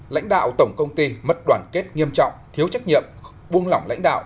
lãnh đạo tổng công ty mất đoàn kết nghiêm trọng thiếu trách nhiệm buông lỏng lãnh đạo